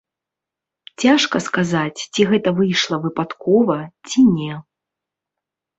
Цяжка сказаць, ці гэта выйшла выпадкова, ці не.